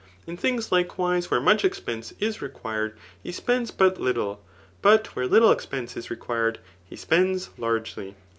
In things likewise where much expense is required, he spends but little } but where little expense is required, he spaids laigdy.